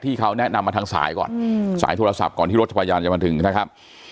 ที่เขาแนะนำมาทางสายก่อนสายโทรศัพท์ก่อนที่รถจักรยานจะมาถึงนะครับ